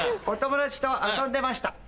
お友達と遊んでました。